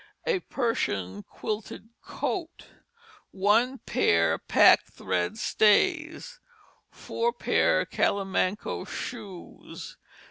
A Persian Quilted Coat. 1 p. Pack Thread Stays. 4 p. Callimanco Shoes.